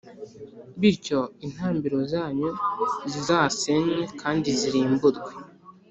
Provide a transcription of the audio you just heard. bityo intambiro zanyu zizasenywe kandi zirimburwe